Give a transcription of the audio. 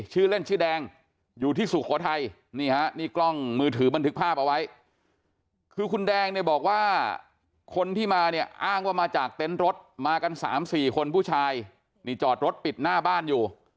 ชื่อเล่นชื่อแดงอยู่ที่สุโขทัย